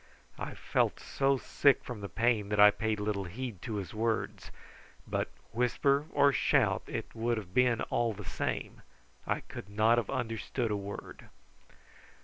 I felt so sick from the pain that I paid little heed to his words; but whisper or shout it would have been all the same, I could not have understood a word.